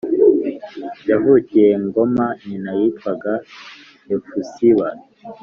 yavukiye ngoma Nyina yitwaga Hefusiba